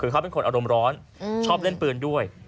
คือเขาเป็นคนอารมณ์ร้อนชอบเล่นปืนด้วย